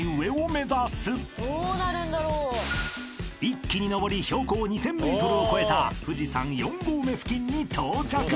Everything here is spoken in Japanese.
［一気に登り標高２，０００ｍを超えた富士山４合目付近に到着］